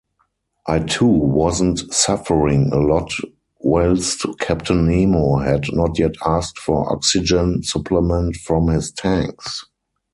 I too wasn’t suffering a lot whilst Captain Nemo had not yet asked for oxygen supplement from his tanks.